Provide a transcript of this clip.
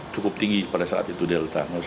cukup tinggi pada saat itu delta